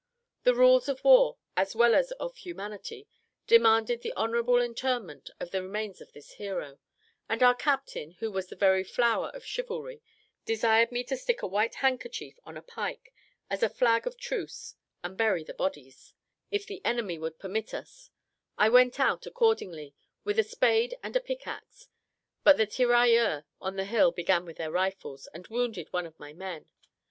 The rules of war, as well as of humanity, demanded the honourable interment of the remains of this hero; and our captain, who was the very flower of chivalry, desired me to stick a white handkerchief on a pike, as a flag of truce, and bury the bodies, if the enemy would permit us I went out accordingly, with a spade and a pick axe; but the tirailleurs on the hill began with their rifles, and wounded one of my men.